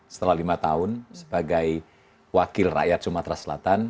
setelah lima tahun sebagai wakil rakyat sumatera selatan